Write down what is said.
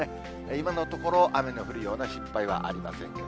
今のところ、雨の降るような心配はありません。